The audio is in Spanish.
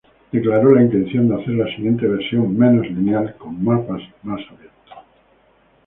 Declaró la intención de hacer la siguiente versión menos lineal, con mapas más abiertos.